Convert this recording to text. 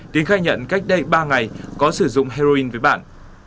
tín khai nhận cách đây ba ngày có sử dụng heroin với bạn